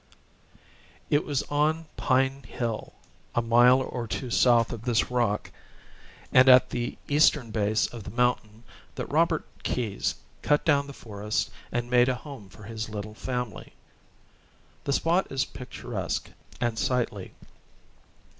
It was on Pine Hill, a mile or two south of this rock, and at the eastern base of the mountain, that Robert Keyes cut down the forest, and made a home for his little family. The spot is picturesque and sightly.